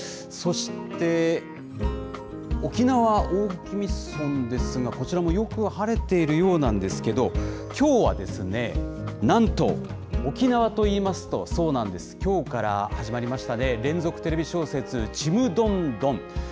そして沖縄・大宜味村ですが、こちらもよく晴れているようなんですけど、きょうはですね、なんと沖縄といいますと、そうなんです、きょうから始まりましたね、連続テレビ小説、ちむどんどん。